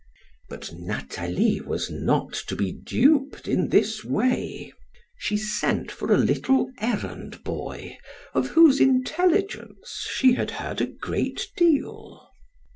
But Nathalie was not to be duped in this way. She sent for a little errand boy, of whose intelligence she had heard a great deal.